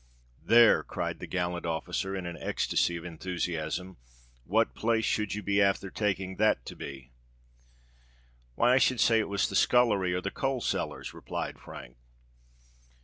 "There!" cried the gallant officer, in an ecstacy of enthusiasm: "what place should you be afther taking that to be?" "Why—I should say it was the scullery or the coal cellars," replied Frank.